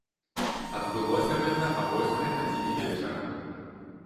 Адбылося гэта а восьмай гадзіне вечара.